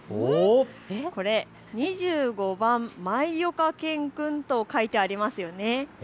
これ、２５番、まいおか犬くんと書いてありますよね。